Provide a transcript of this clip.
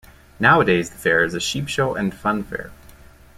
Nowadays the fair is a sheep show and funfair.